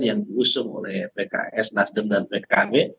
yang diusung oleh pks nasdem dan pkb